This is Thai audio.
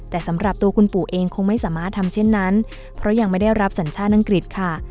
แต่สำหรับตัวคุณปู่เองคงไม่สามารถทำเช่นนั้นเพราะยังไม่ได้รับสัญชาติอังกฤษค่ะ